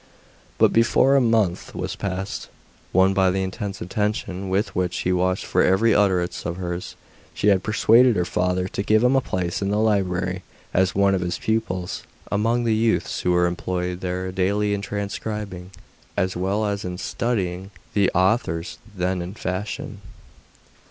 But before a month was past, won by the intense attention with which he watched for every utterance of hers, she had persuaded her father to give a place in the library as one of his pupils, among the youths who were employed there daily in transcribing, as well as in studying, the authors then in fashion.